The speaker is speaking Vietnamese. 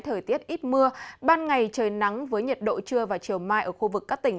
thời tiết ít mưa ban ngày trời nắng với nhiệt độ trưa và chiều mai ở khu vực các tỉnh